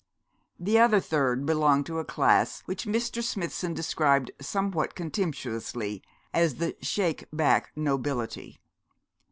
The other third belonged to a class which Mr. Smithson described somewhat contemptuously as the shake back nobility.